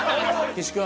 岸君。